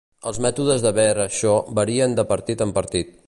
Els mètodes de ver això varien de partit en partit.